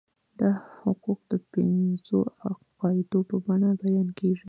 دا حقوق د پنځو قاعدو په بڼه بیان کیږي.